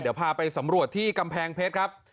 เดี๋ยวพาไปสำรวจที่กำแพงเพชรครับ